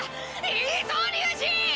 いいぞ龍二！